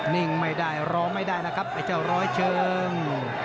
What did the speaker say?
นิ่งไม่ได้ร้องไม่ได้นะครับไอ้เจ้าร้อยเชิง